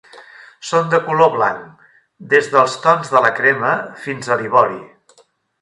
Són de color blanc, des dels tons de la crema fins a l'ivori.